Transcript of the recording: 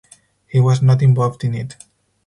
He was not involved in it.